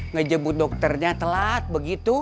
ngejebut dokternya telat begitu